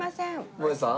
もえさん。